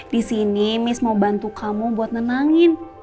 di sini miss mau bantu kamu buat nenangin